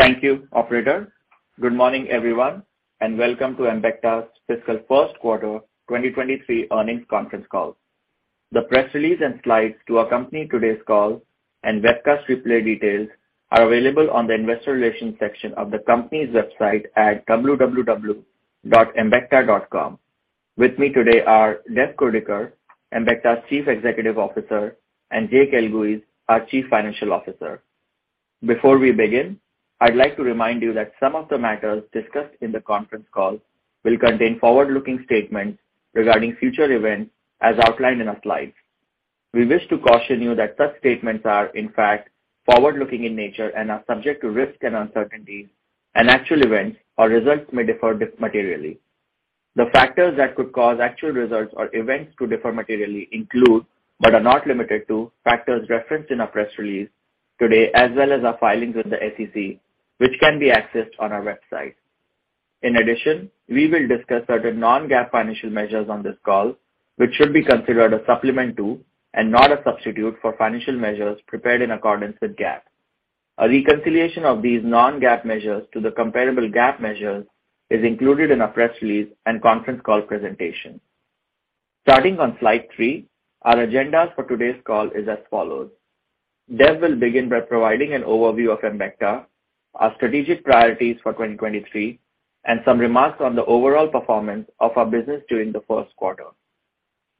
Thank you operator. Good morning everyone, and welcome to Embecta's Fiscal First Quarter 2023 Earnings Conference Call. The press release and slides to accompany today's call and webcast replay details are available on the investor relations section of the company's website at www.Embecta.com. With me today are Dev Kurdikar, Embecta's Chief Executive Officer, and Jake Elguicze, our Chief Financial Officer. Before we begin, I'd like to remind you that some of the matters discussed in the conference call will contain forward-looking statements regarding future events as outlined in our slides. We wish to caution you that such statements are, in fact, forward-looking in nature and are subject to risks and uncertainties. Actual events or results may differ materially. The factors that could cause actual results or events to differ materially include, but are not limited to, factors referenced in our press release today as well as our filings with the SEC, which can be accessed on our website. We will discuss certain non-GAAP financial measures on this call, which should be considered a supplement to and not a substitute for financial measures prepared in accordance with GAAP. A reconciliation of these non-GAAP measures to the comparable GAAP measures is included in our press release and conference call presentation. Starting on Slide three our agenda for today's call is as follows. Dev will begin by providing an overview of Embecta, our strategic priorities for 2023, and some remarks on the overall performance of our business during the first quarter.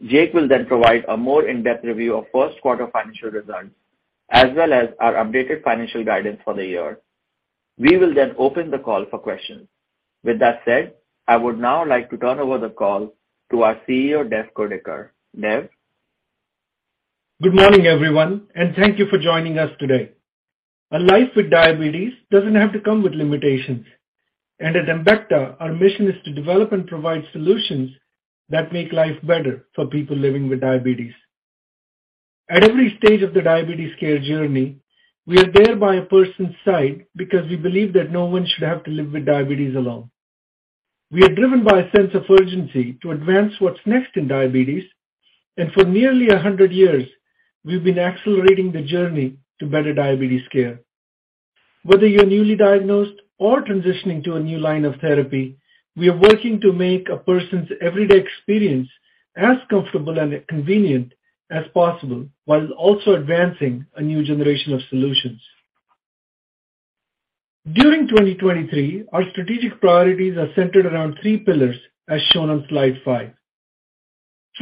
Jake will then provide a more in-depth review of first quarter financial results, as well as our updated financial guidance for the year. We will then open the call for questions. With that said, I would now like to turn over the call to our CEO, Dev Kurdikar. Dev? Good morning, everyone, and thank you for joining us today. A life with diabetes doesn't have to come with limitations. At Embecta, our mission is to develop and provide solutions that make life better for people living with diabetes. At every stage of the diabetes care journey, we are there by a person's side because we believe that no one should have to live with diabetes alone. We are driven by a sense of urgency to advance what's next in diabetes. For nearly 100 years, we've been accelerating the journey to better diabetes care. Whether you're newly diagnosed or transitioning to a new line of therapy, we are working to make a person's everyday experience as comfortable and convenient as possible while also advancing a new generation of solutions. During 2023, our strategic priorities are centered around three pillars as shown on Slide five.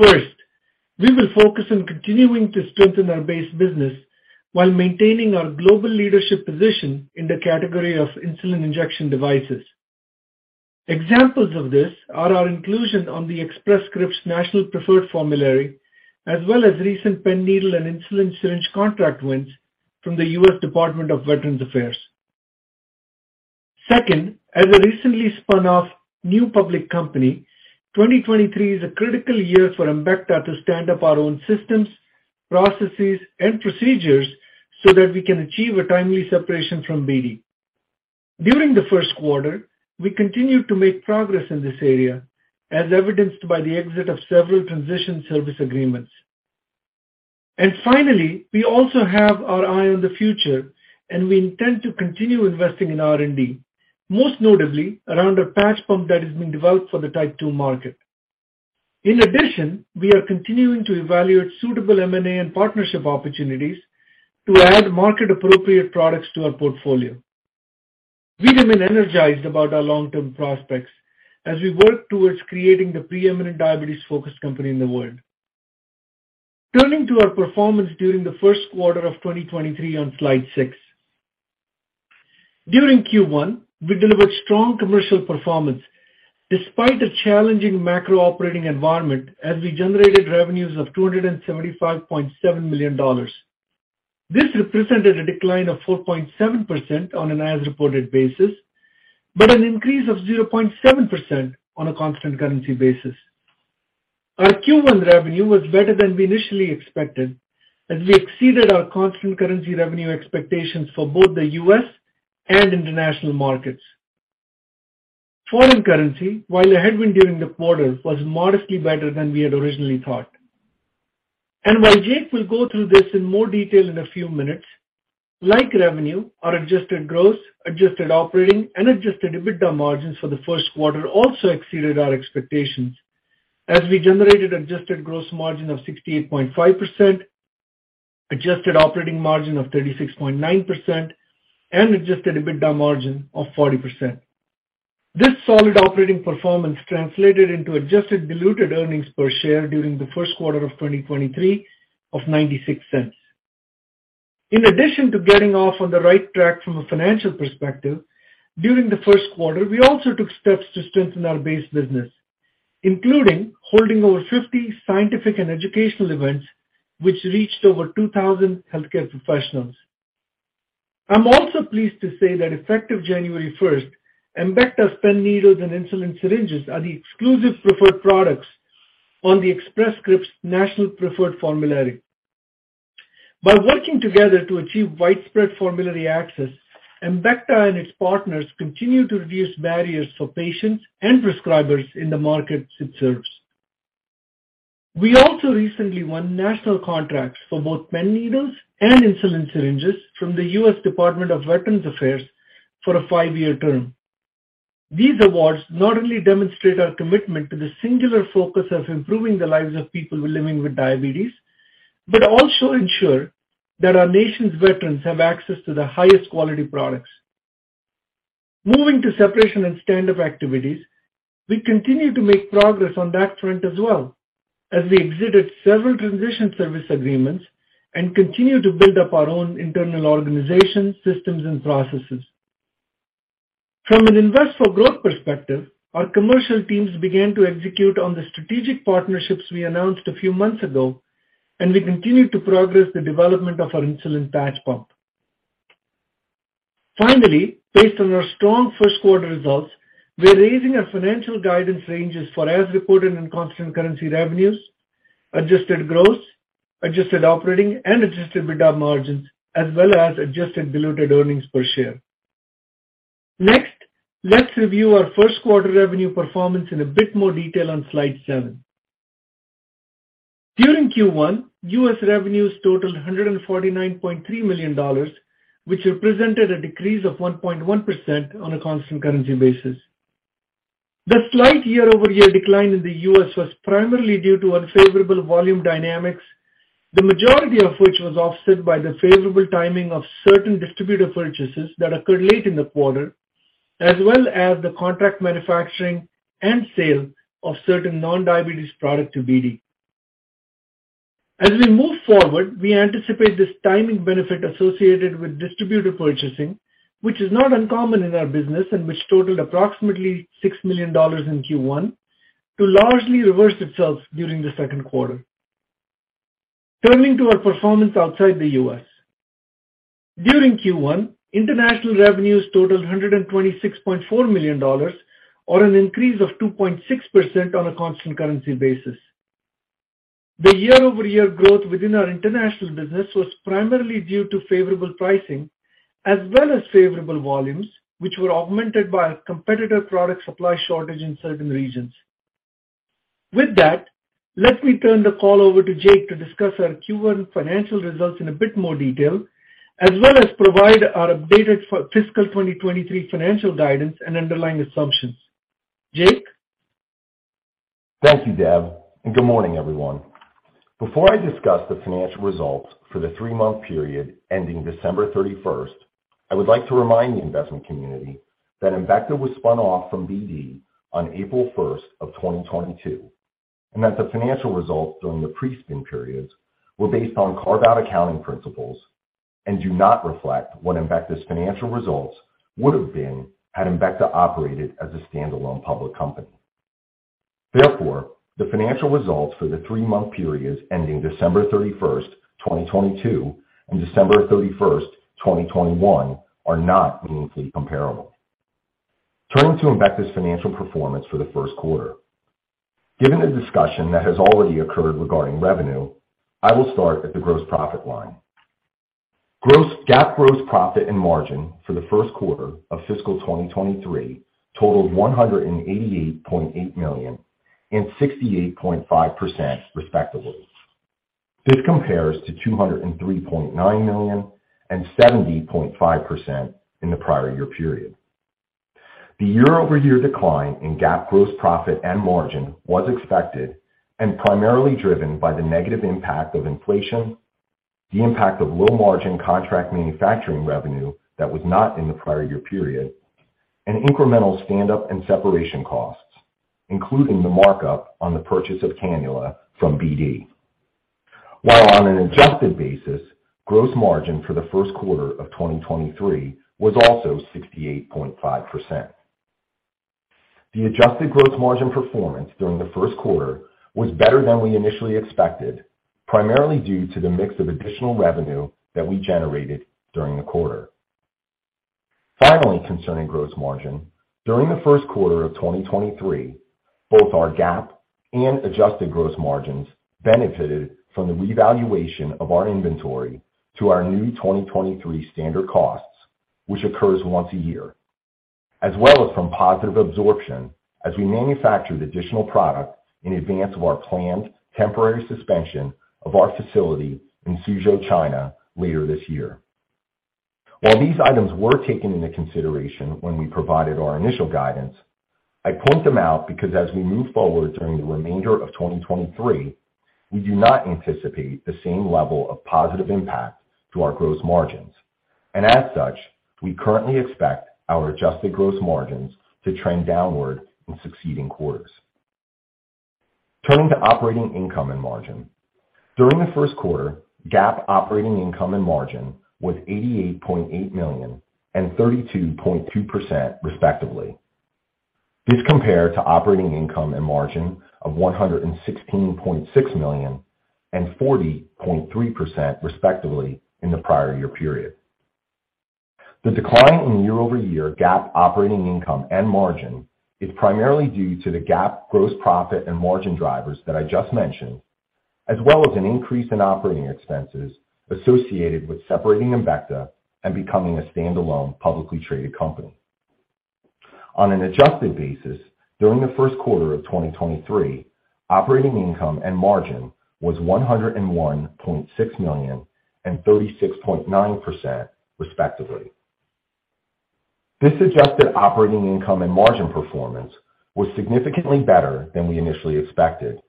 First, we will focus on continuing to strengthen our base business while maintaining our global leadership position in the category of insulin injection devices. Examples of this are our inclusion on the Express Scripts National Preferred Formulary, as well as recent pen needle and insulin syringe contract wins from the U.S. Department of Veterans Affairs. Second, as a recently spun off new public company, 2023 is a critical year for Embecta to stand up our own systems, processes and procedures so that we can achieve a timely separation from BD. During the first quarter, we continued to make progress in this area, as evidenced by the exit of several transition service agreements. Finally, we also have our eye on the future, and we intend to continue investing in R&D, most notably around a patch pump that is being developed for the Type 2 market. We are continuing to evaluate suitable M&A and partnership opportunities to add market-appropriate products to our portfolio. We remain energized about our long-term prospects as we work towards creating the preeminent diabetes-focused company in the world. Turning to our performance during the first quarter of 2023 on Slide six. During Q1, we delivered strong commercial performance despite a challenging macro operating environment, as we generated revenues of $275.7 million. This represented a decline of 4.7% on an as-reported basis, but an increase of 0.7% on a constant currency basis. Our Q1 revenue was better than we initially expected, as we exceeded our constant currency revenue expectations for both the U.S. and international markets. Foreign currency, while a headwind during the quarter, was modestly better than we had originally thought. While Jake will go through this in more detail in a few minutes, like revenue, our adjusted gross, adjusted operating and Adjusted EBITDA margins for the first quarter also exceeded our expectations as we generated adjusted gross margin of 68.5%, adjusted operating margin of 36.9%, and Adjusted EBITDA margin of 40%. This solid operating performance translated into adjusted diluted earnings per share during the first quarter of 2023 of $0.96. In addition to getting off on the right track from a financial perspective, during the first quarter, we also took steps to strengthen our base business, including holding over 50 scientific and educational events, which reached over 2,000 healthcare professionals. I'm also pleased to say that effective January 1st, Embecta's pen needles and insulin syringes are the exclusive preferred products on the Express Scripts National Preferred Formulary. By working together to achieve widespread formulary access, Embecta and its partners continue to reduce barriers for patients and prescribers in the markets it serves. We also recently won national contracts for both pen needles and insulin syringes from the U.S. Department of Veterans Affairs for a five-year term. These awards not only demonstrate our commitment to the singular focus of improving the lives of people living with diabetes, but also ensure that our nation's veterans have access to the highest quality products. Moving to separation and stand-up activities, we continue to make progress on that front as well as we exited several transition service agreements and continue to build up our own internal organization, systems, and processes. From an invest for growth perspective, our commercial teams began to execute on the strategic partnerships we announced a few months ago, and we continue to progress the development of our insulin patch pump. Based on our strong first quarter results, we're raising our financial guidance ranges for as-reported and constant currency revenues, adjusted gross, adjusted operating, and Adjusted EBITDA margins, as well as adjusted diluted earnings per share. Let's review our first quarter revenue performance in a bit more detail on Slide seven. During Q1, U.S. revenues totaled $149.3 million, which represented a decrease of 1.1% on a constant currency basis. The slight year-over-year decline in the U.S. was primarily due to unfavorable volume dynamics, the majority of which was offset by the favorable timing of certain distributor purchases that occurred late in the quarter, as well as the contract manufacturing and sale of certain non-diabetes product to BD. As we move forward, we anticipate this timing benefit associated with distributor purchasing, which is not uncommon in our business and which totaled approximately $6 million in Q1, to largely reverse itself during the second quarter. Turning to our performance outside the U.S. During Q1, international revenues totaled $126.4 million, or an increase of 2.6% on a constant currency basis. The year-over-year growth within our international business was primarily due to favorable pricing as well as favorable volumes, which were augmented by a competitor product supply shortage in certain regions. With that, let me turn the call over to Jake to discuss our Q1 financial results in a bit more detail, as well as provide our updated fiscal 2023 financial guidance and underlying assumptions. Jake. Thank you, Dev. Good morning, everyone. Before I discuss the financial results for the three-month period ending December 31st, I would like to remind the investment community that Embecta was spun off from BD on April 1st of 2022. The financial results during the pre-spin periods were based on carve-out accounting principles and do not reflect what Embecta's financial results would've been had Embecta operated as a standalone public company. The financial results for the three-month periods ending December 31st, 2022, and December 31st, 2021 are not meaningfully comparable. Turning to Embecta's financial performance for the first quarter. Given the discussion that has already occurred regarding revenue, I will start at the gross profit line. GAAP gross profit and margin for the first quarter of fiscal 2023 totaled $188.8 million and 68.5% respectively. This compares to $203.9 million and 70.5% in the prior year period. The year-over-year decline in GAAP gross profit and margin was expected and primarily driven by the negative impact of inflation, the impact of low margin contract manufacturing revenue that was not in the prior year period, and incremental stand-up and separation costs, including the markup on the purchase of cannula from BD. On an adjusted basis, gross margin for the first quarter of 2023 was also 68.5%. The adjusted gross margin performance during the first quarter was better than we initially expected, primarily due to the mix of additional revenue that we generated during the quarter. Finally, concerning gross margin, during the first quarter of 2023, both our GAAP and adjusted gross margins benefited from the revaluation of our inventory to our new 2023 standard costs, which occurs once a year, as well as from positive absorption as we manufactured additional product in advance of our planned temporary suspension of our facility in Suzhou, China, later this year. While these items were taken into consideration when we provided our initial guidance, I point them out because as we move forward during the remainder of 2023, we do not anticipate the same level of positive impact to our gross margins. As such, we currently expect our adjusted gross margins to trend downward in succeeding quarters. Turning to operating income and margin. During the first quarter, GAAP operating income and margin was $88.8 million and 32.2% respectively. This compared to operating income and margin of $116.6 million and 40.3% respectively in the prior year period. The decline in year-over-year GAAP operating income and margin is primarily due to the GAAP gross profit and margin drivers that I just mentioned, as well as an increase in operating expenses associated with separating Embecta and becoming a standalone publicly traded company. On an adjusted basis, during the first quarter of 2023, operating income and margin was $101.6 million and 36.9% respectively. This adjusted operating income and margin performance was significantly better than we initially expected,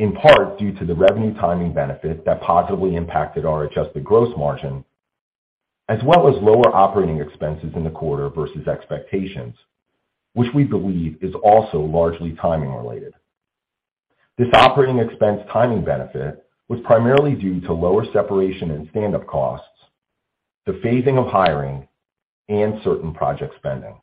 in part due to the revenue timing benefit that positively impacted our adjusted gross margin, as well as lower operating expenses in the quarter versus expectations, which we believe is also largely timing related. This operating expense timing benefit was primarily due to lower separation and standup costs, the phasing of hiring and certain project spending.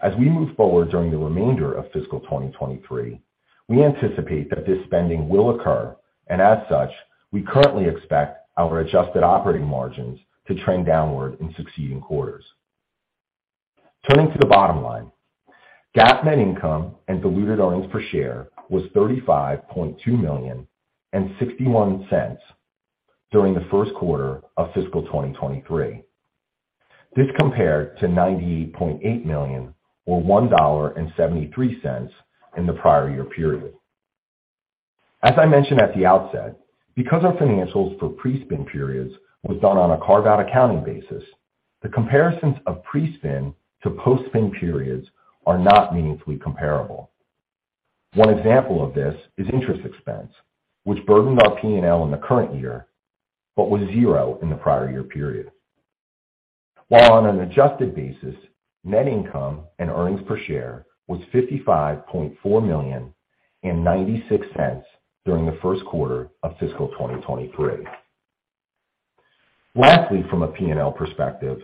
As we move forward during the remainder of fiscal 2023, we anticipate that this spending will occur, and as such, we currently expect our adjusted operating margins to trend downward in succeeding quarters. Turning to the bottom line, GAAP net income and diluted earnings per share was $35.2 million and $0.61 during the first quarter of fiscal 2023. This compared to $98.8 million or $1.73 in the prior year period. As I mentioned at the outset, because our financials for pre-spin periods was done on a carve-out accounting basis, the comparisons of pre-spin to post-spin periods are not meaningfully comparable. One example of this is interest expense, which burdened our P&L in the current year, but was zero in the prior year period. While on an adjusted basis, net income and earnings per share was $55.4 million and $0.96 during the first quarter of fiscal 2023. Lastly, from a P&L perspective,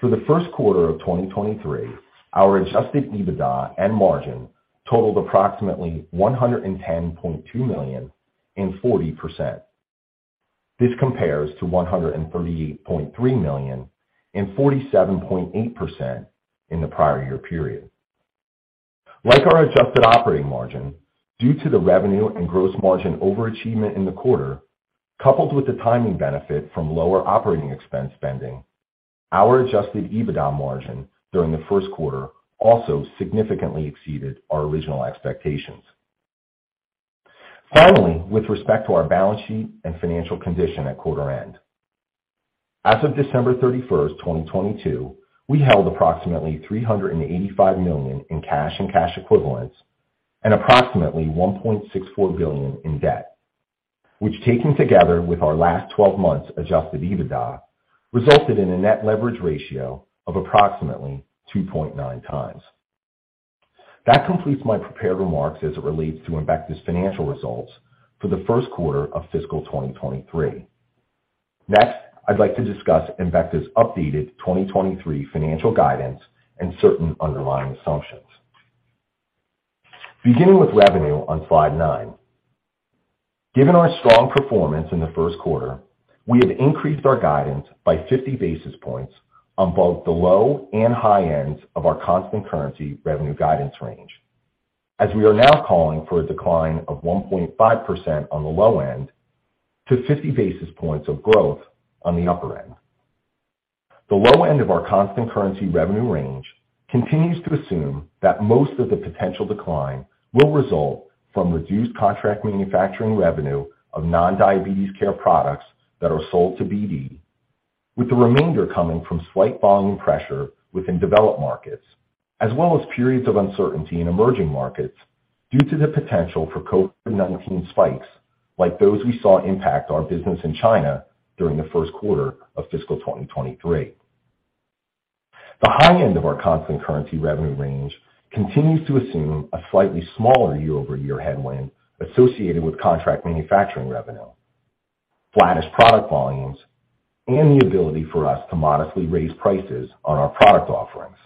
for the first quarter of 2023, our Adjusted EBITDA and margin totaled approximately $110.2 million and 40%. This compares to $138.3 million and 47.8% in the prior year period. Like our adjusted operating margin, due to the revenue and gross margin overachievement in the quarter, coupled with the timing benefit from lower operating expense spending, our Adjusted EBITDA margin during the first quarter also significantly exceeded our original expectations. Finally, with respect to our balance sheet and financial condition at quarter end. As of December 31st, 2022, we held approximately $385 million in cash and cash equivalents, and approximately $1.64 billion in debt, which taken together with our last 12 months Adjusted EBITDA, resulted in a net leverage ratio of approximately 2.9x. That completes my prepared remarks as it relates to Embecta's financial results for the first quarter of fiscal 2023. Next, I'd like to discuss Embecta's updated 2023 financial guidance and certain underlying assumptions. Beginning with revenue on Slide nine. Given our strong performance in the first quarter, we have increased our guidance by 50 basis points on both the low and high ends of our constant currency revenue guidance range. We are now calling for a decline of 1.5% on the low end to 50 basis points of growth on the upper end. The low end of our constant currency revenue range continues to assume that most of the potential decline will result from reduced contract manufacturing revenue of non-diabetes care products that are sold to BD, with the remainder coming from slight volume pressure within developed markets, as well as periods of uncertainty in emerging markets due to the potential for COVID-19 spikes like those we saw impact our business in China during the first quarter of fiscal 2023. The high end of our constant currency revenue range continues to assume a slightly smaller year-over-year headwind associated with contract manufacturing revenue, flattest product volumes, and the ability for us to modestly raise prices on our product offerings.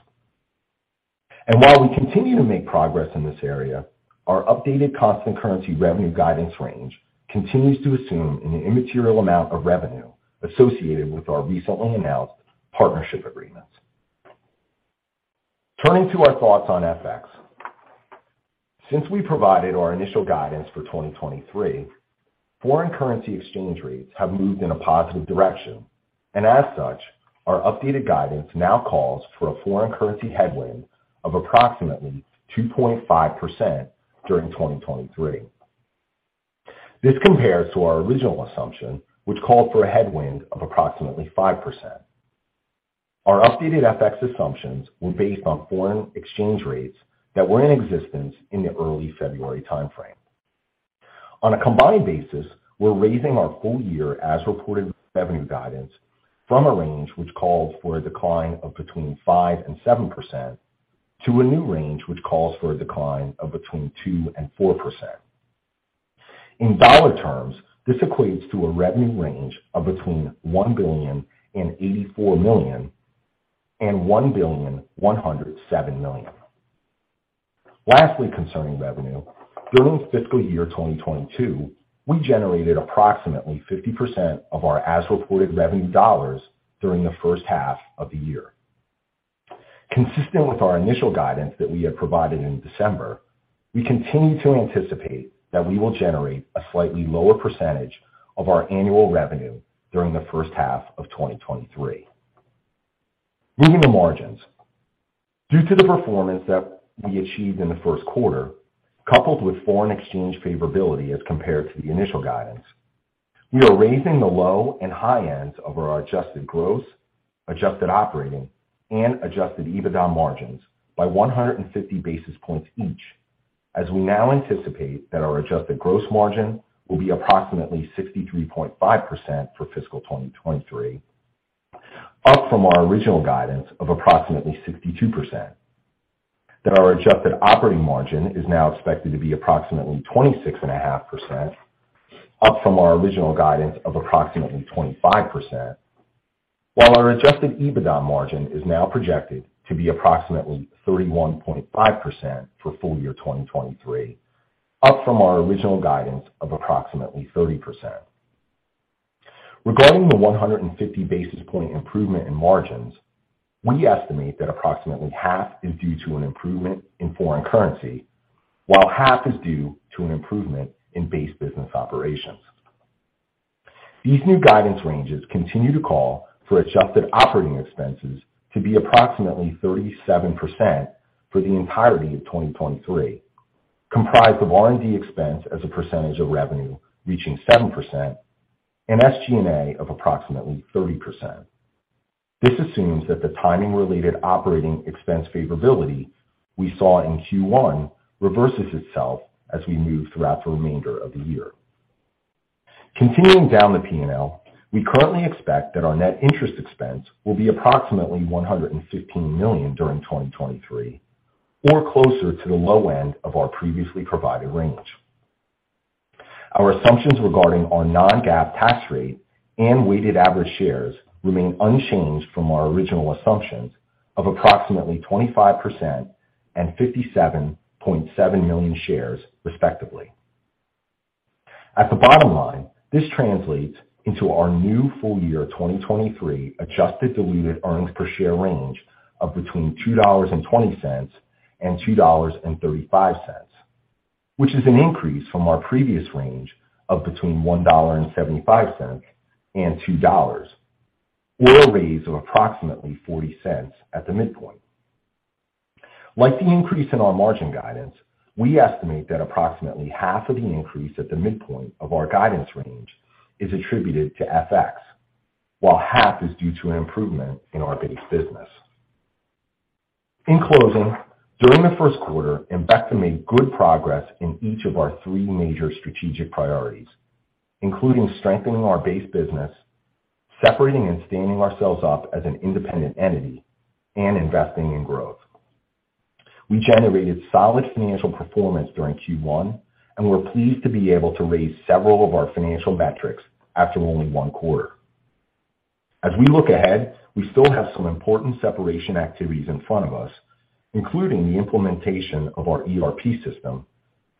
While we continue to make progress in this area, our updated constant currency revenue guidance range continues to assume an immaterial amount of revenue associated with our recently announced partnership agreements. Turning to our thoughts on FX. Since we provided our initial guidance for 2023, foreign currency exchange rates have moved in a positive direction, and as such, our updated guidance now calls for a foreign currency headwind of approximately 2.5% during 2023. This compares to our original assumption, which called for a headwind of approximately 5%. Our updated FX assumptions were based on foreign exchange rates that were in existence in the early February time frame. On a combined basis, we're raising our full year as reported revenue guidance from a range which called for a decline of between 5% and 7% to a new range which calls for a decline of between 2% and 4%. In dollar terms, this equates to a revenue range of between $1,084 million and $1,107 million. Lastly, concerning revenue. During fiscal year 2022, we generated approximately 50% of our as-reported revenue dollars during the first half of the year. Consistent with our initial guidance that we had provided in December. We continue to anticipate that we will generate a slightly lower percentage of our annual revenue during the first half of 2023. Moving to margins. Due to the performance that we achieved in the first quarter, coupled with foreign exchange favorability as compared to the initial guidance, we are raising the low and high ends of our adjusted gross, adjusted operating, and Adjusted EBITDA margins by 150 basis points each, as we now anticipate that our adjusted gross margin will be approximately 63.5% for fiscal 2023, up from our original guidance of approximately 62%. That our adjusted operating margin is now expected to be approximately 26.5%, up from our original guidance of approximately 25%, while our Adjusted EBITDA margin is now projected to be approximately 31.5% for full year 2023, up from our original guidance of approximately 30%. Regarding the 150 basis point improvement in margins, we estimate that approximately half is due to an improvement in foreign currency, while half is due to an improvement in base business operations. These new guidance ranges continue to call for adjusted operating expenses to be approximately 37% for the entirety of 2023, comprised of R&D expense as a percentage of revenue reaching 7% and SG&A of approximately 30%. This assumes that the timing-related operating expense favorability we saw in Q1 reverses itself as we move throughout the remainder of the year. Continuing down the P&L, we currently expect that our net interest expense will be approximately $115 million during 2023 or closer to the low end of our previously provided range. Our assumptions regarding our non-GAAP tax rate and weighted average shares remain unchanged from our original assumptions of approximately 25% and 57.7 million shares, respectively. At the bottom line, this translates into our new full year 2023 adjusted diluted earnings per share range of between $2.20 and $2.35, which is an increase from our previous range of between $1.75 and $2.00, or a raise of approximately $0.40 at the midpoint. Like the increase in our margin guidance, we estimate that approximately half of the increase at the midpoint of our guidance range is attributed to FX, while half is due to an improvement in our base business. In closing, during the first quarter, Embecta made good progress in each of our three major strategic priorities, including strengthening our base business, separating and standing ourselves up as an independent entity, and investing in growth. We generated solid financial performance during Q1, and we're pleased to be able to raise several of our financial metrics after only one quarter. As we look ahead, we still have some important separation activities in front of us, including the implementation of our ERP system,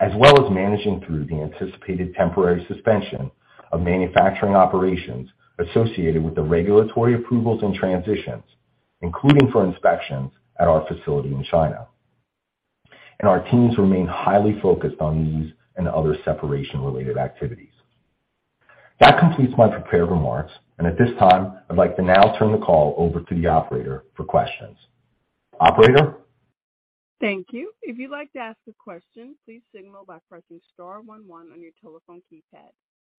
as well as managing through the anticipated temporary suspension of manufacturing operations associated with the regulatory approvals and transitions, including for inspections at our facility in China. Our teams remain highly focused on these and other separation-related activities. That completes my prepared remarks, and at this time, I'd like to now turn the call over to the operator for questions. Operator? Thank you. If you'd like to ask a question, please signal by pressing star one one on your telephone keypad.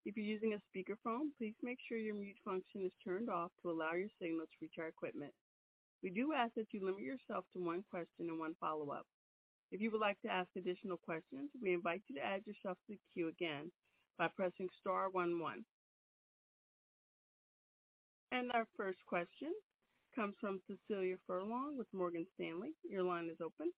If you're using a speakerphone, please make sure your mute function is turned off to allow your signal to reach our equipment. We do ask that you limit yourself to one question and one follow-up. If you would like to ask additional questions, we invite you to add yourself to the queue again by pressing star one one. Our first question comes from Cecilia Furlong with Morgan Stanley. Your line is open.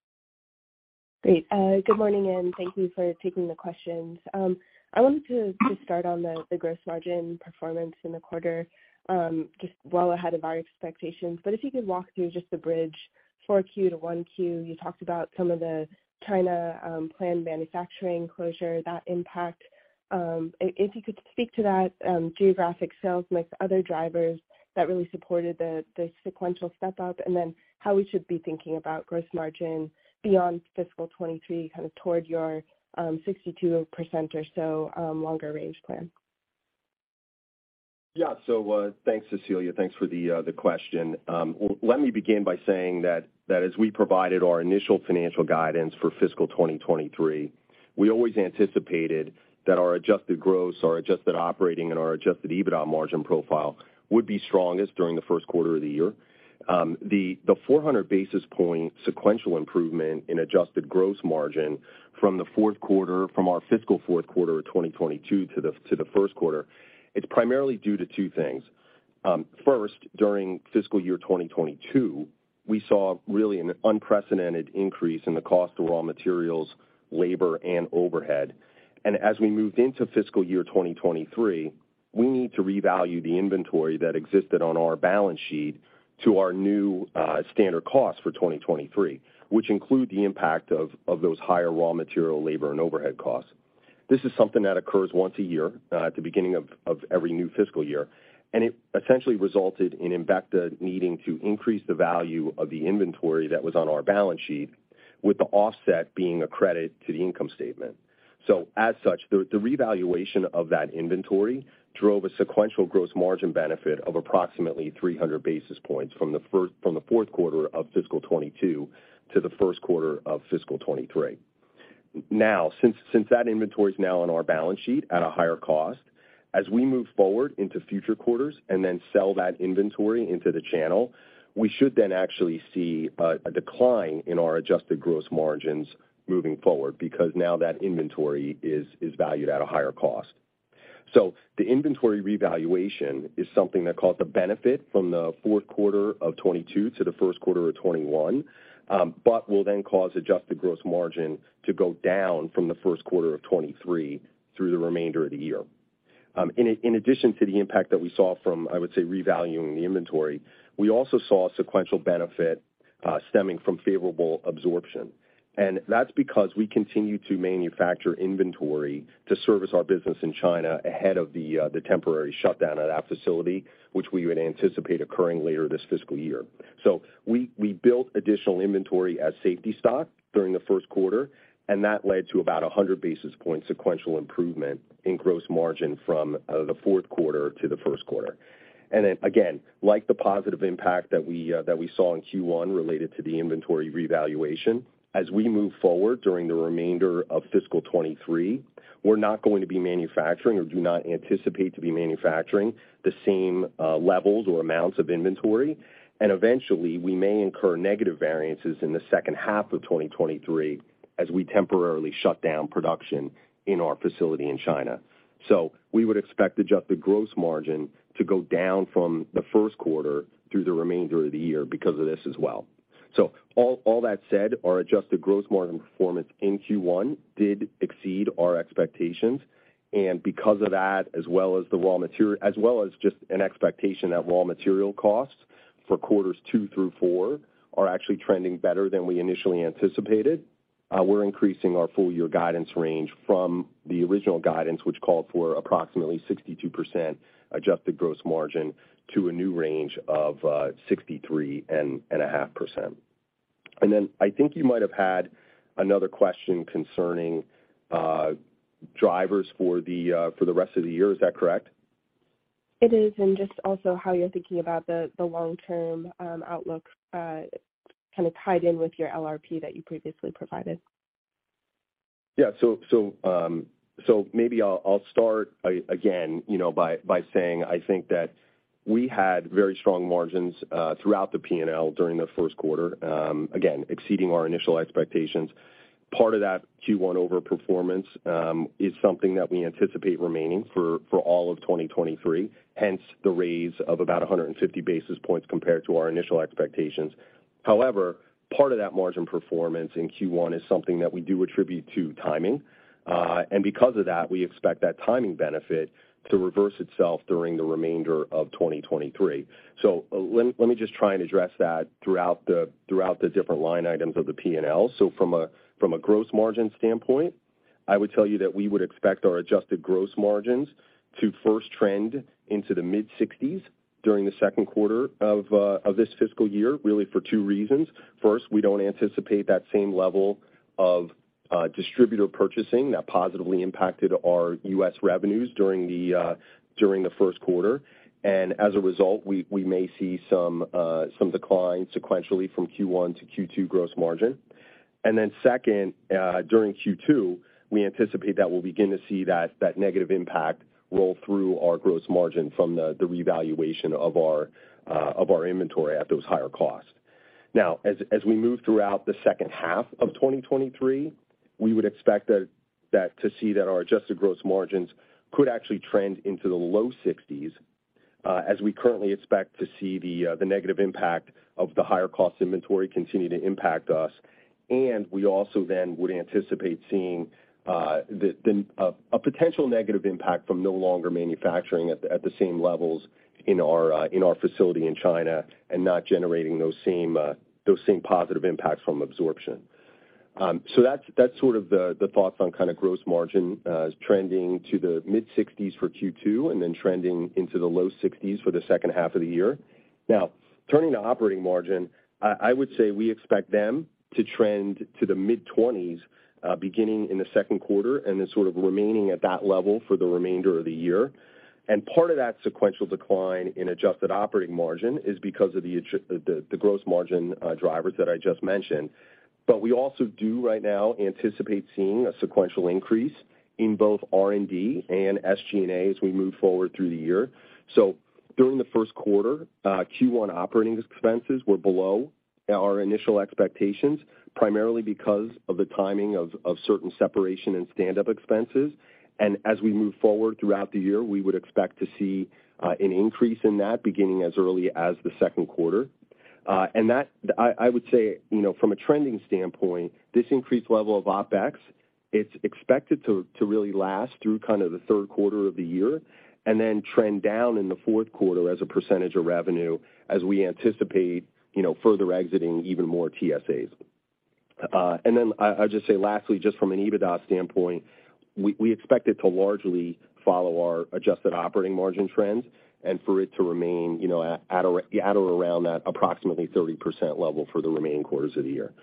Great. Good morning, and thank thank you for taking the questions. I wanted to start on the gross margin performance in the quarter, just well ahead of our expectations. If you could walk through just the bridge 4Q to 1Q. You talked about some of the China planned manufacturing closure, that impact. If you could speak to that, geographic sales mix, other drivers that really supported the sequential step-up, and then how we should be thinking about gross margin beyond fiscal 2023, kind of toward your 62% or so, longer range plan. Thanks, Cecilia. Thanks for the question. Let me begin by saying that as we provided our initial financial guidance for fiscal 2023, we always anticipated that our adjusted gross, our adjusted operating, and our Adjusted EBITDA margin profile would be strongest during the first quarter of the year. The 400 basis point sequential improvement in adjusted gross margin from our fiscal fourth quarter of 2022 to the first quarter, it's primarily due to two things. First, during fiscal year 2022, we saw really an unprecedented increase in the cost of raw materials, labor, and overhead. As we moved into fiscal year 2023, we need to revalue the inventory that existed on our balance sheet to our new standard costs for 2023, which include the impact of those higher raw material, labor, and overhead costs. This is something that occurs once a year, at the beginning of every new fiscal year. It essentially resulted in Embecta needing to increase the value of the inventory that was on our balance sheet, with the offset being a credit to the income statement. As such, the revaluation of that inventory drove a sequential gross margin benefit of approximately 300 basis points from the fourth quarter of fiscal 2022 to the first quarter of fiscal 2023. Since that inventory is now on our balance sheet at a higher cost, as we move forward into future quarters and then sell that inventory into the channel, we should then actually see a decline in our adjusted gross margins moving forward because now that inventory is valued at a higher cost. The inventory revaluation is something that caused a benefit from the fourth quarter of 2022 to the first quarter of 2021, but will then cause adjusted gross margin to go down from the first quarter of 2023 through the remainder of the year. In addition to the impact that we saw from, I would say, revaluing the inventory, we also saw a sequential benefit stemming from favorable absorption. That's because we continue to manufacture inventory to service our business in China ahead of the temporary shutdown at that facility, which we would anticipate occurring later this fiscal year. We built additional inventory as safety stock during the first quarter, and that led to about 100 basis points sequential improvement in gross margin from the fourth quarter to the first quarter. Then again, like the positive impact that we, that we saw in Q1 related to the inventory revaluation, as we move forward during the remainder of fiscal 2023, we're not going to be manufacturing or do not anticipate to be manufacturing the same, levels or amounts of inventory. Eventually, we may incur negative variances in the second half of 2023 as we temporarily shut down production in our facility in China. We would expect Adjusted gross margin to go down from the first quarter through the remainder of the year because of this as well. All that said, our Adjusted gross margin performance in Q1 did exceed our expectations. Because of that, as well as just an expectation that raw material costs for quarters two through four are actually trending better than we initially anticipated, we're increasing our full year guidance range from the original guidance, which called for approximately 62% adjusted gross margin to a new range of 63.5%. I think you might have had another question concerning drivers for the rest of the year. Is that correct? It is. Just also how you're thinking about the long-term outlook, kind of tied in with your LRP that you previously provided. Maybe I'll start again, you know, by saying I think that we had very strong margins throughout the P&L during the first quarter, again, exceeding our initial expectations. Part of that Q1 overperformance is something that we anticipate remaining for all of 2023, hence the raise of about 150 basis points compared to our initial expectations. Part of that margin performance in Q1 is something that we do attribute to timing. Because of that, we expect that timing benefit to reverse itself during the remainder of 2023. Let me just try and address that throughout the different line items of the P&L. From a gross margin standpoint, I would tell you that we would expect our adjusted gross margins to first trend into the mid-60s during the second quarter of this fiscal year, really for two reasons. First, we don't anticipate that same level of distributor purchasing that positively impacted our U.S. revenues during the first quarter. As a result, we may see some decline sequentially from Q1 to Q2 gross margin. Second, during Q2, we anticipate that we'll begin to see that negative impact roll through our gross margin from the revaluation of our inventory at those higher costs. Now, as we move throughout the second half of 2023, we would expect that to see that our adjusted gross margins could actually trend into the low 60s, as we currently expect to see the negative impact of the higher cost inventory continue to impact us. We also then would anticipate seeing the potential negative impact from no longer manufacturing at the same levels in our facility in China and not generating those same positive impacts from absorption. That's sort of the thoughts on kind of gross margin trending to the mid-60s for Q2 and then trending into the low 60s for the second half of the year. Now, turning to operating margin, I would say we expect them to trend to the mid-20s, beginning in the second quarter and then sort of remaining at that level for the remainder of the year. Part of that sequential decline in adjusted operating margin is because of the gross margin drivers that I just mentioned. We also do right now anticipate seeing a sequential increase in both R&D and SG&A as we move forward through the year. During the first quarter, Q1 operating expenses were below our initial expectations, primarily because of the timing of certain separation and stand-up expenses. As we move forward throughout the year, we would expect to see an increase in that beginning as early as the second quarter. That I would say, you know, from a trending standpoint, this increased level of OpEx, it's expected to really last through kind of the third quarter of the year and then trend down in the fourth quarter as a percentage of revenue as we anticipate, you know, further exiting even more TSAs. Then I'll just say lastly, just from an EBITDA standpoint, we expect it to largely follow our adjusted operating margin trends and for it to remain, you know, at or around that approximately 30% level for the remaining quarters of the year.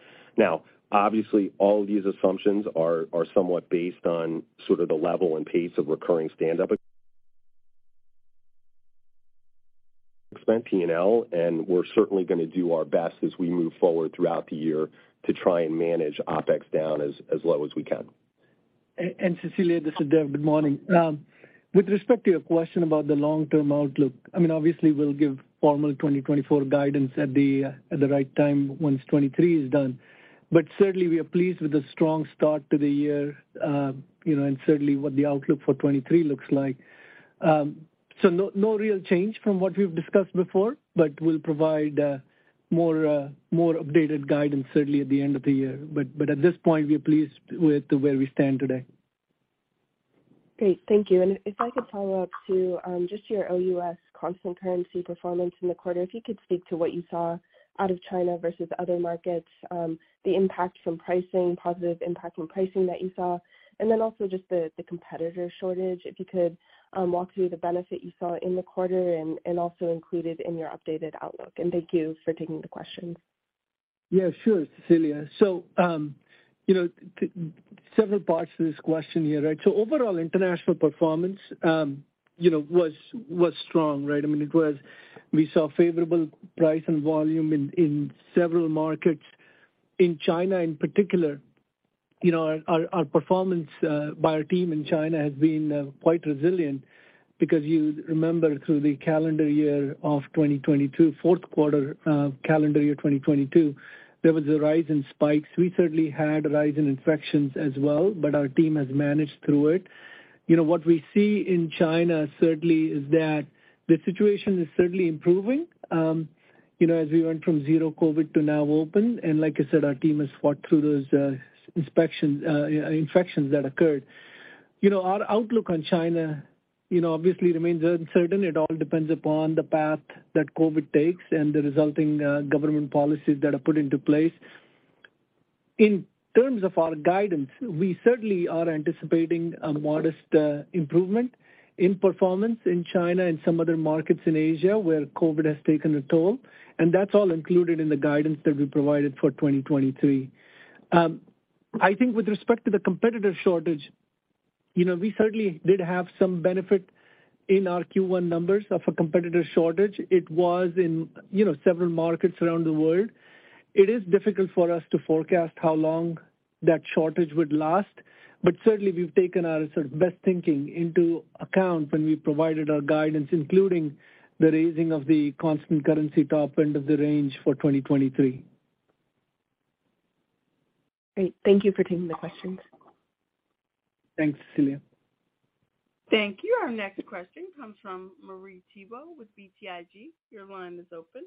Obviously, all of these assumptions are somewhat based on sort of the level and pace of recurring standup P&L, we're certainly going to do our best as we move forward throughout the year to try and manage OpEx down as low as we can. Cecilia, this is Dev. Good morning. With respect to your question about the long-term outlook, I mean, obviously we'll give formal 2024 guidance at the right time once 2023 is done. Certainly we are pleased with the strong start to the year, you know, and certainly what the outlook for 2023 looks like. No real change from what we've discussed before, but we'll provide more updated guidance certainly at the end of the year. At this point, we are pleased with where we stand today. Great. Thank you. If I could follow up to, just your OUS constant currency performance in the quarter, if you could speak to what you saw out of China versus other markets, the impact from pricing, positive impact from pricing that you saw, and then also just the competitor shortage, if you could walk through the benefit you saw in the quarter and also include it in your updated outlook. Thank you for taking the questions. Yeah, sure, Cecilia. You know, several parts to this question here, right? Overall international performance, you know, was strong, right? I mean, we saw favorable price and volume in several markets. In China in particular, you know, our performance by our team in China has been quite resilient because you remember through the calendar year of 2022, fourth quarter, calendar year 2022, there was a rise in spikes. We certainly had a rise in infections as well, but our team has managed through it. You know, what we see in China certainly is that the situation is certainly improving, you know, as we went from zero COVID to now open, and like I said, our team has fought through those infections that occurred. You know, our outlook on China, you know, obviously remains uncertain. It all depends upon the path that COVID takes and the resulting government policies that are put into place. In terms of our guidance, we certainly are anticipating a modest improvement in performance in China and some other markets in Asia where COVID has taken a toll, and that's all included in the guidance that we provided for 2023. I think with respect to the competitor shortage, you know, we certainly did have some benefit in our Q1 numbers of a competitor shortage. It was in, you know, several markets around the world. It is difficult for us to forecast how long that shortage would last, but certainly we've taken our sort of best thinking into account when we provided our guidance, including the raising of the constant currency top end of the range for 2023. Great. Thank you for taking the questions. Thanks, Cecilia. Thank you. Our next question comes from Marie Thibault with BTIG. Your line is open.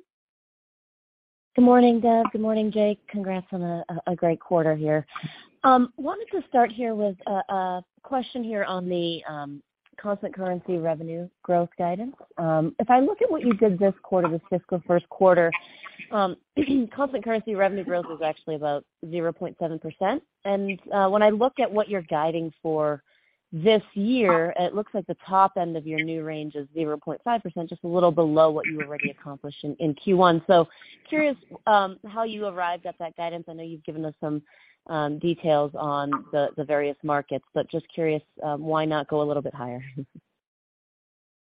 Good morning, Dev. Good morning, Jake. Congrats on a great quarter here. Wanted to start here with a question here on the constant currency revenue growth guidance. If I look at what you did this quarter, the fiscal first quarter, constant currency revenue growth was actually about 0.7%. When I look at what you're guiding for this year, it looks like the top end of your new range is 0.5%, just a little below what you already accomplished in Q1. Curious how you arrived at that guidance. I know you've given us some details on the various markets, but just curious, why not go a little bit higher?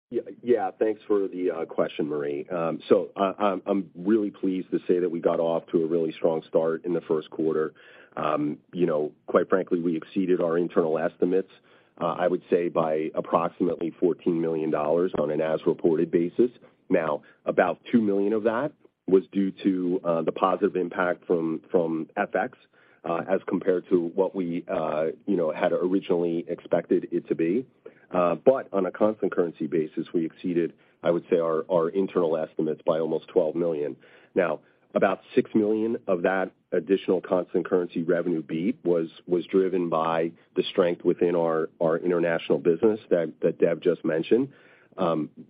Yeah. Yeah, thanks for the question, Marie. I'm really pleased to say that we got off to a really strong start in the first quarter. You know, quite frankly, we exceeded our internal estimates, I would say by approximately $14 million on an as-reported basis. Now, about $2 million of that was due to the positive impact from FX, as compared to what we, you know, had originally expected it to be. On a constant currency basis, we exceeded, I would say, our internal estimates by almost $12 million. Now, about $6 million of that additional constant currency revenue beat was driven by the strength within our international business that Dev just mentioned.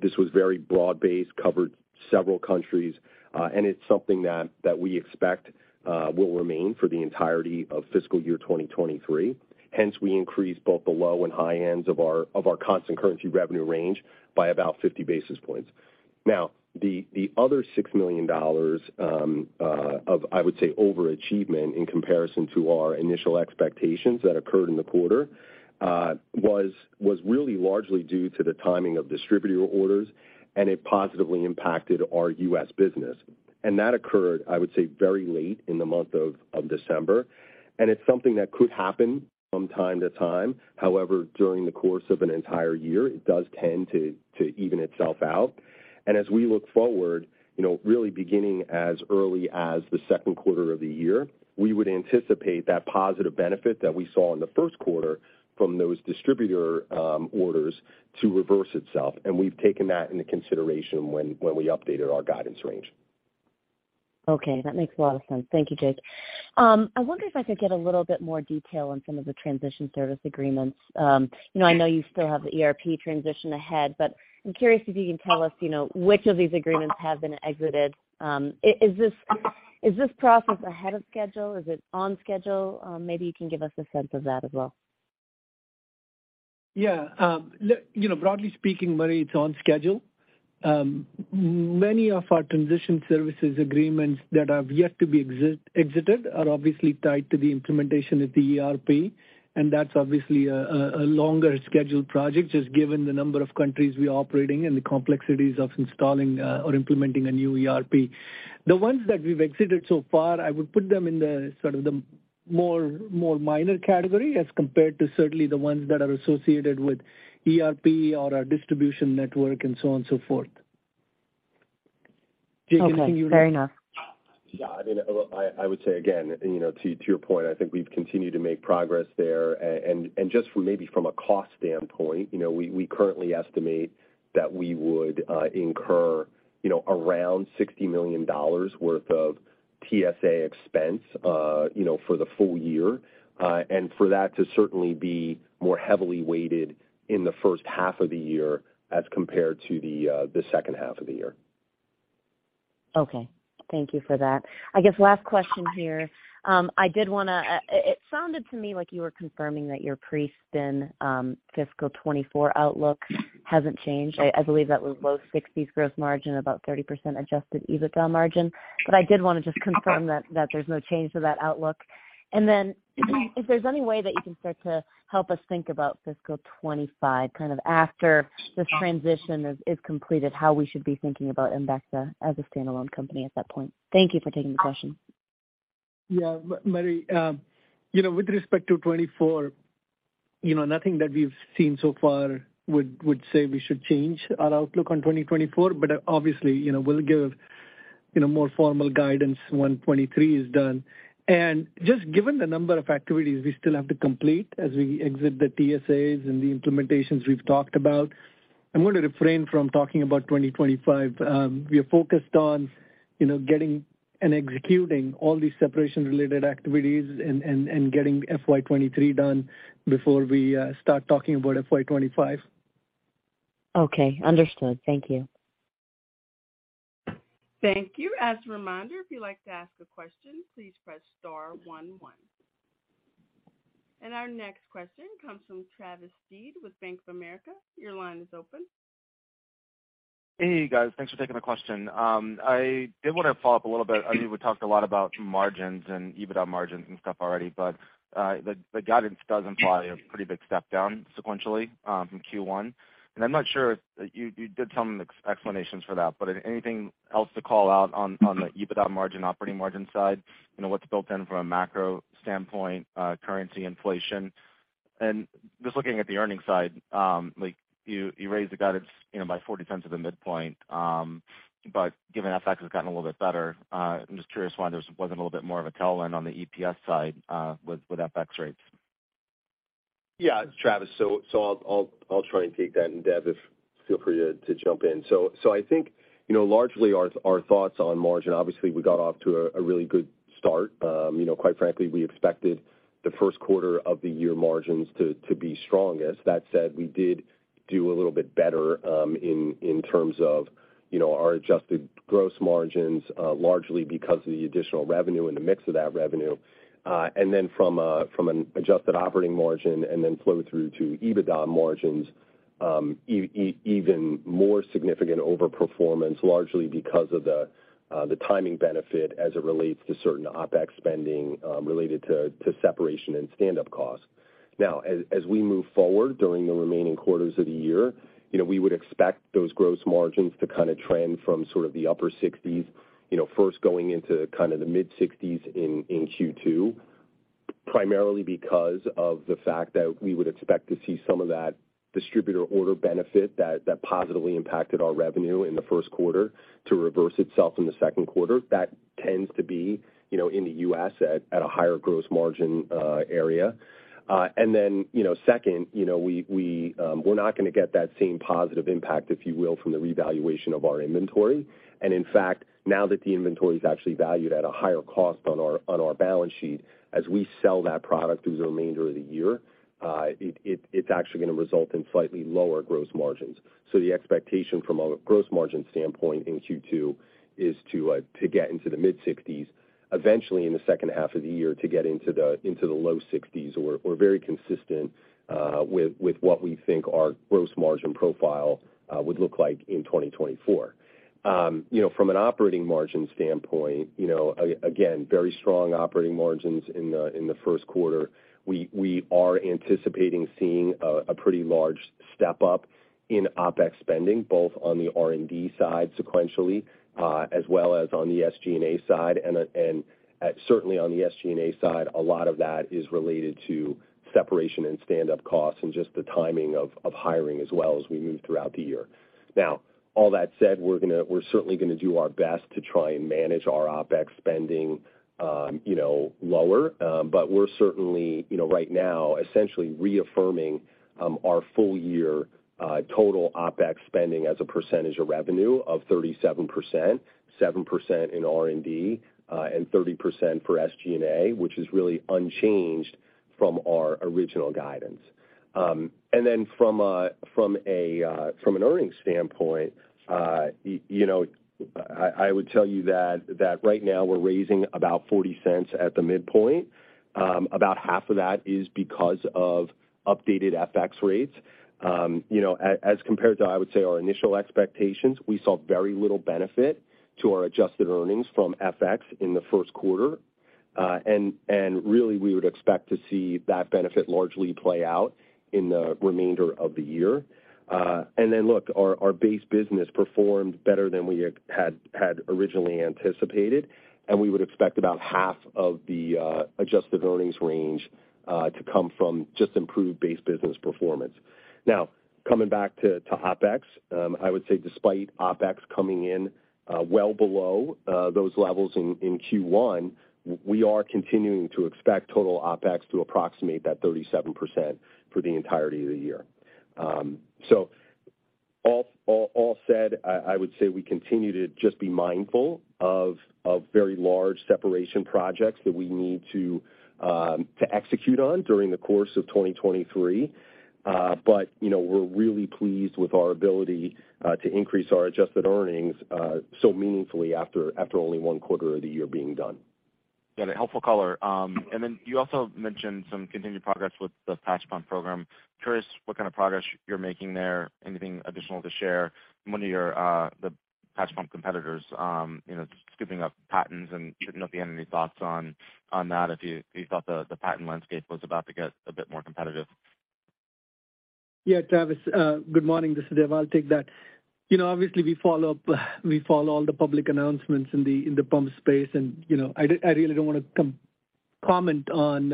This was very broad-based, covered several countries, and it's something that we expect will remain for the entirety of fiscal year 2023. We increased both the low and high ends of our constant currency revenue range by about 50 basis points. The other $6 million of, I would say, overachievement in comparison to our initial expectations that occurred in the quarter, was really largely due to the timing of distributor orders, and it positively impacted our U.S. business. That occurred, I would say, very late in the month of December, and it's something that could happen from time to time. During the course of an entire year, it does tend to even itself out. As we look forward, you know, really beginning as early as the second quarter of the year, we would anticipate that positive benefit that we saw in the first quarter from those distributor orders to reverse itself. We've taken that into consideration when we updated our guidance range. Okay, that makes a lot of sense. Thank you, Jake. I wonder if I could get a little bit more detail on some of the transition service agreements. You know, I know you still have the ERP transition ahead, but I'm curious if you can tell us, you know, which of these agreements have been exited. Is this process ahead of schedule? Is it on schedule? Maybe you can give us a sense of that as well. Yeah. Look, you know, broadly speaking, Marie, it's on schedule. Many of our transition services agreements that have yet to be exited are obviously tied to the implementation of the ERP, and that's obviously a longer schedule project, just given the number of countries we are operating in and the complexities of installing or implementing a new ERP. The ones that we've exited so far, I would put them in the sort of the more minor category as compared to certainly the ones that are associated with ERP or our distribution network and so on and so forth. Jake, can you... Okay. Fair enough. Yeah. I mean, I would say again, you know, to your point, I think we've continued to make progress there. Just from maybe from a cost standpoint, you know, we currently estimate that we would incur, you know, around $60 million worth of TSA expense, you know, for the full year. For that to certainly be more heavily weighted in the first half of the year as compared to the second half of the year. Okay. Thank you for that. I guess last question here. I did wanna it sounded to me like you were confirming that your pre-spin fiscal 2024 outlook hasn't changed. I believe that was low 60s gross margin, about 30% Adjusted EBITDA margin. I did wanna just confirm that there's no change to that outlook. If there's any way that you can start to help us think about fiscal 2025, kind of after this transition is completed, how we should be thinking about Embecta as a standalone company at that point. Thank you for taking the question. Yeah. Marie, you know, with respect to 2024, you know, nothing that we've seen so far would say we should change our outlook on 2024. Obviously, you know, we'll give, you know, more formal guidance when 2023 is done. Just given the number of activities we still have to complete as we exit the TSAs and the implementations we've talked about, I'm gonna refrain from talking about 2025. We are focused on, you know, getting and executing all these separation-related activities and getting FY 2023 done before we start talking about FY 2025. Okay. Understood. Thank you. Thank you. As a reminder, if you'd like to ask a question, please press star one one. Our next question comes from Travis Steed with Bank of America. Your line is open. Hey, guys. Thanks for taking the question. I did wanna follow up a little bit. I know we talked a lot about margins and EBITDA margins and stuff already, but the guidance does imply a pretty big step down sequentially from Q1. I'm not sure if you did tell me explanations for that, but anything else to call out on the EBITDA margin, operating margin side, you know, what's built in from a macro standpoint, currency inflation? Just looking at the earnings side, like you raised the guidance, you know, by $0.40 at the midpoint, but given FX has gotten a little bit better, I'm just curious why there wasn't a little bit more of a tailwind on the EPS side with FX rates. Travis, so I'll try and take that, and Dev, if feel free to jump in. I think, you know, largely our thoughts on margin, obviously, we got off to a really good start. You know, quite frankly, we expected the first quarter of the year margins to be strong. As that said, we did do a little bit better in terms of, you know, our adjusted gross margins, largely because of the additional revenue and the mix of that revenue. From an adjusted operating margin and then flow through to EBITDA margins, even more significant overperformance largely because of the timing benefit as it relates to certain OpEx spending related to separation and standup costs. Now, as we move forward during the remaining quarters of the year, you know, we would expect those gross margins to kinda trend from sort of the upper 60s, you know, first going into kind of the mid-60s in Q2, primarily because of the fact that we would expect to see some of that distributor order benefit that positively impacted our revenue in the first quarter to reverse itself in the second quarter. That tends to be, you know, in the U.S. at a higher gross margin area. You know, we're not gonna get that same positive impact, if you will, from the revaluation of our inventory. In fact, now that the inventory is actually valued at a higher cost on our balance sheet, as we sell that product through the remainder of the year, it's actually gonna result in slightly lower gross margins. The expectation from a gross margin standpoint in Q2 is to get into the mid-60s%, eventually in the second half of the year to get into the low 60s% or very consistent with what we think our gross margin profile would look like in 2024. You know, from an operating margin standpoint, you know, again, very strong operating margins in the first quarter. We are anticipating seeing a pretty large step-up in OpEx spending, both on the R&D side sequentially, as well as on the SG&A side. Certainly on the SG&A side, a lot of that is related to separation and standup costs and just the timing of hiring as well as we move throughout the year. All that said, we're certainly gonna do our best to try and manage our OpEx spending, you know, lower. We're certainly, you know, right now essentially reaffirming our full year total OpEx spending as a percentage of revenue of 37%, 7% in R&D, and 30% for SG&A, which is really unchanged from our original guidance. From an earnings standpoint, you know, I would tell you that right now we're raising about $0.40 at the midpoint. About half of that is because of updated FX rates. you know, as compared to, I would say, our initial expectations, we saw very little benefit to our adjusted earnings from FX in the first quarter. Really we would expect to see that benefit largely play out in the remainder of the year. Look, our base business performed better than we had originally anticipated, and we would expect about half of the adjusted earnings range to come from just improved base business performance. Coming back to OpEx, I would say despite OpEx coming in well below those levels in Q1, we are continuing to expect total OpEx to approximate that 37% for the entirety of the year. All said, I would say we continue to just be mindful of very large separation projects that we need to execute on during the course of 2023. You know, we're really pleased with our ability to increase our adjusted earnings so meaningfully after only one quarter of the year being done. Got it. Helpful color. You also mentioned some continued progress with the patch pump program. Curious what kind of progress you're making there. Anything additional to share? One of your, the patch pump competitors, you know, scooping up patents and shouldn't know if you had any thoughts on that, if you thought the patent landscape was about to get a bit more competitive. Yeah, Travis, good morning. This is Dev. I'll take that. You know, obviously we follow all the public announcements in the pump space and, you know, I really don't wanna comment on,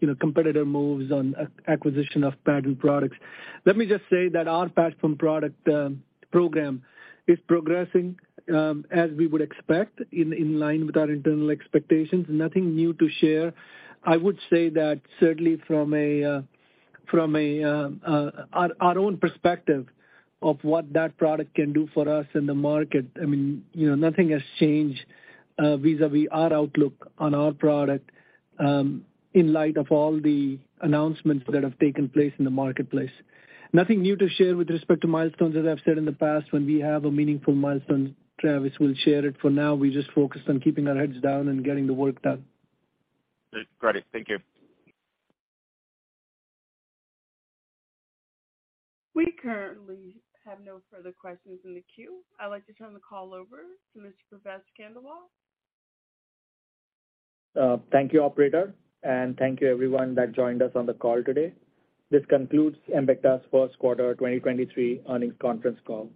you know, competitor moves on acquisition of patent products. Let me just say that our patch pump product program is progressing as we would expect in line with our internal expectations. Nothing new to share. I would say that certainly from a from a our own perspective of what that product can do for us in the market, I mean, you know, nothing has changed vis-a-vis our outlook on our product in light of all the announcements that have taken place in the marketplace. Nothing new to share with respect to milestones. As I've said in the past, when we have a meaningful milestone, Travis, we'll share it. For now, we're just focused on keeping our heads down and getting the work done. Great. Thank you. We currently have no further questions in the queue. I'd like to turn the call over to Mr. Pravesh Khandelwal. Thank you, operator, thank you everyone that joined us on the call today. This concludes Embecta's first quarter 2023 earnings conference call.